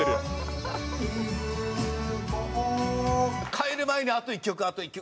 帰る前に「あと１曲あと１曲」。